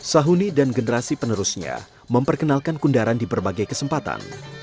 sahuni dan generasi penerusnya memperkenalkan kundaran di berbagai kesempatan